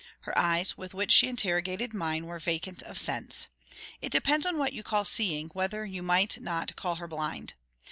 Her eyes, with which she interrogated mine, were vacant of sense. It depends on what you call seeing, whether you might not call her blind.